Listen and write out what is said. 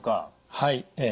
はい。